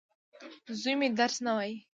زوی مي درس نه وايي.